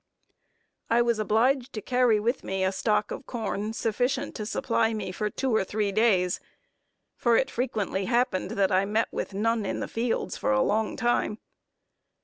I was obliged to carry with me a stock of corn, sufficient to supply me for two or three days, for it frequently happened that I met with none in the fields for a long time.